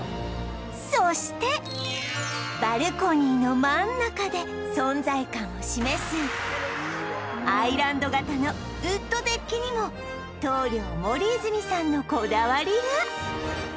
そしてバルコニーの真ん中で存在感を示すアイランド型のウッドデッキにも棟梁森泉さんのこだわりが